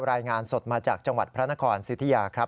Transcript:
รายงานสดมาจากจังหวัดพระนครสิทธิยาครับ